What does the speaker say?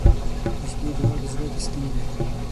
• د شپې دعا د زړه تسکین دی.